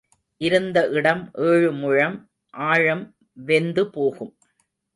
இருந்த இடம் ஏழு முழம் ஆழம் வெந்து போகும்.